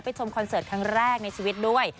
ชมคอนเสิร์ตครั้งแรกในชีวิตด้วย